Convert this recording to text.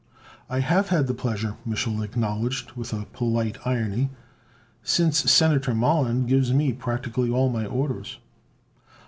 "I have had the pleasure," Mich'l acknowledged with polite irony, "since Senator Mollon gives me practically all my orders."